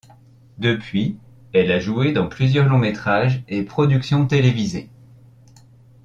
Depuis, elle a joué dans plusieurs longs métrages et productions télévisées.